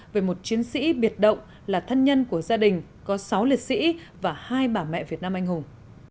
về một chiến sĩ biệt động là thân nhân của gia đình có sáu liệt sĩ và hai bà mẹ việt nam anh hùng